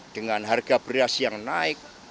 dengan harga beras yang naik